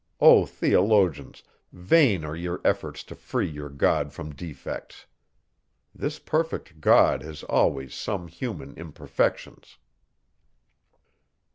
O theologians! Vain are your efforts to free your God from defects. This perfect God has always some human imperfections.